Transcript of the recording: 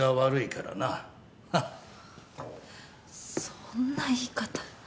そんな言い方。